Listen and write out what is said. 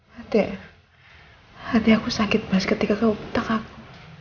hati hati aku sakit mas ketika kamu bentak aku